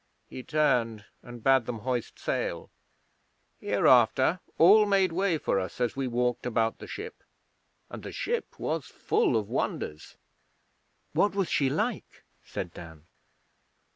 He turned and bade them hoist sail. 'Hereafter all made way for us as we walked about the ship, and the ship was full of wonders.' 'What was she like?' said Dan.